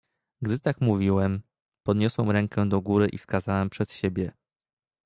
"Gdy tak mówiłem, podniosłem rękę do góry i wskazałem przed siebie."